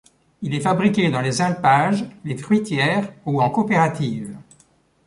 Il est fabriqué dans les alpages, les fruitières ou en coopératives.